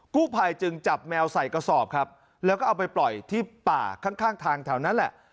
กู้ภัยจึงจับแมวใส่กระสอบครับแล้วก็เอาไปปล่อยที่ป่าข้างข้างทางแถวนั้นแหละ